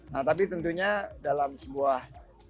nah tapi tentunya dalam sebuah